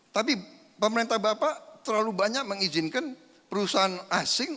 tapi pemerintah bapak terlalu banyak mengizinkan perusahaan asing